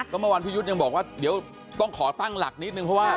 ก็เมื่อวานพี่ยุทธ์ยังบอกว่าเดี๋ยวต้องขอตั้งหลักนิดนึงเพราะว่า